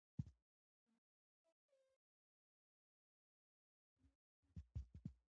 د نل سم بندول یو کوچنی خو ډېر اغېزناک عمل دی.